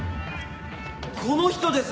この人です！